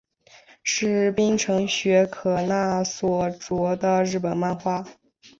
是水城雪可奈所着的日本漫画。